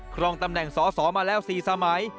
ครองตำแหน่งสอสอมาแล้ว๔สมัย